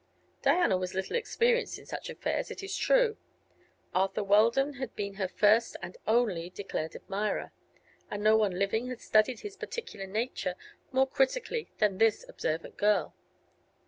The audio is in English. Diana was little experienced in such affairs, it is true. Arthur Weldon had been her first and only declared admirer, and no one living had studied his peculiar nature more critically than this observant girl.